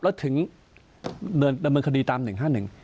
แล้วถึงเนินดำเนินคดีตามหนึ่งห้าหนึ่ง